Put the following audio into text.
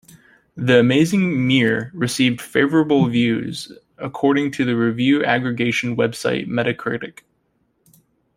"The Amazing Mirror" received "favorable" reviews according to the review aggregation website Metacritic.